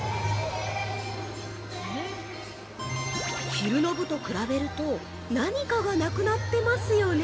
昼の部と比べると何かがなくなってますよね？